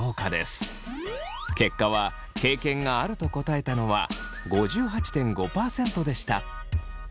結果は経験があると答えたのは５８．５％でした。